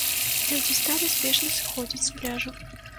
Людзі сталі спешна сыходзіць з пляжу.